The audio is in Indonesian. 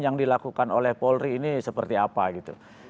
yang dilakukan oleh polri ini seperti apa gitu